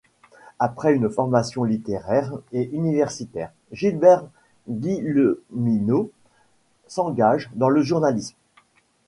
Après une formation littéraire et universitaire, Gilbert Guilleminault s'engage dans le journalisme.